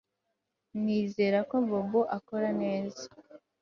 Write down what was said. Nizera ko Bobo akora neza